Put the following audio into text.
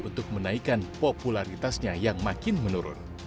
untuk menaikkan popularitasnya yang makin menurun